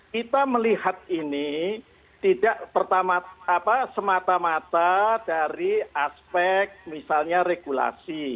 kita melihat ini tidak semata mata dari aspek misalnya regulasi